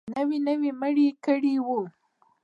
نوې نوي مړي يې کړي وو.